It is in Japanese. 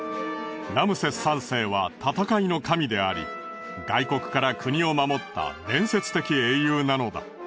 ラムセス３世は戦いの神であり外国から国を守った伝説的英雄なのだ。